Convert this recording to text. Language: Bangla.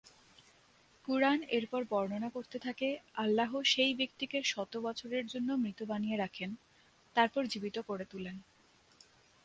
কুরআন এরপর বর্ণনা করতে থাকে আল্লাহ সেই ব্যক্তিকে শত বছরের জন্য মৃত বানিয়ে রাখেন তারপর জীবিত করে তুলেন।